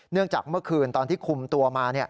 จากเมื่อคืนตอนที่คุมตัวมา